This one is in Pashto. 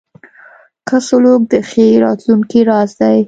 ښه سلوک د ښې راتلونکې راز دی.